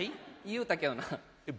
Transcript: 言うたけどな。